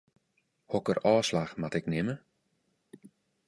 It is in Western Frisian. Hokker ôfslach moat ik nimme?